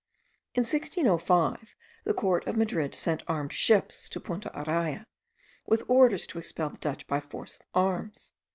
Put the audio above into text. In 1605, the court of Madrid sent armed ships to Punta Araya, with orders to expel the Dutch by force of arms.